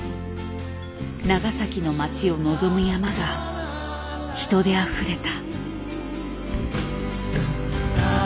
長崎の街を望む山が人であふれた。